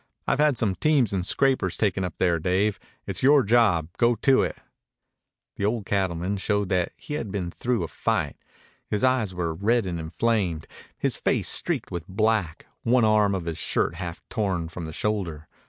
I've had some teams and scrapers taken up there, Dave. It's yore job. Go to it." The old cattleman showed that he had been through a fight. His eyes were red and inflamed, his face streaked with black, one arm of his shirt half torn from the shoulder.